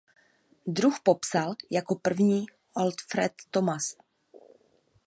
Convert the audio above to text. Druh popsal jako první Oldfield Thomas.